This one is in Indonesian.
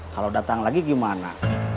kalau datang lagi gimana